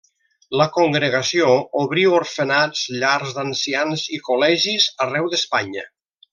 La congregació obrí orfenats, llars d'ancians i col·legis arreu d'Espanya.